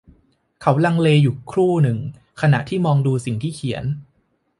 เขาลังเลอยู่ครู่หนึ่งขณะที่มองดูสิ่งที่เขียน